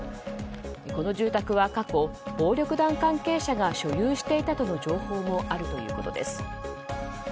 この住宅は過去、暴力団関係者が所有していたとの情報もあるということです。